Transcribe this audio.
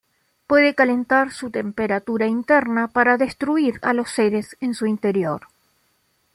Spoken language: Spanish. Puede calentar su temperatura interna para destruir a los seres en su interior.